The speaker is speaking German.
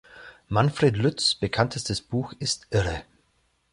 Manfred Lütz’ bekanntestes Buch ist „Irre!